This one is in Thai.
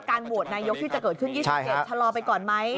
โหวตนายกที่จะเกิดขึ้น๒๗ชะลอไปก่อนไหม